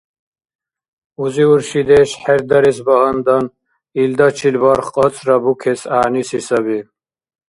Узи-уршидеш хӀердарес багьандан, илдачил барх кьацӀра букес гӀягӀниси саби.